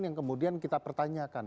yang kemudian kita pertanyakan